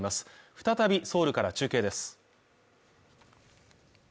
再びソウルから中継です。